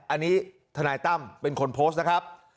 อันนี้ทนายตั้มเป็นคนโพสต์นะครับ